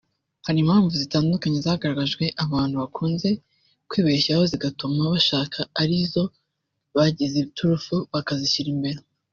Hari impamvu zitandukanye zagaragajwe abantu bakunze kwibeshyaho zigatuma bashaka ari zo bagize iturufu (bakazishyira imbere)